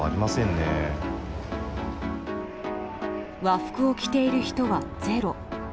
和服を着ている人はゼロ。